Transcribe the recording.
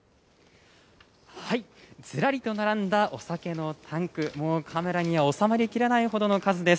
ずらりと並んだお酒のタンク、もうカメラには収まりきれないほどの数です。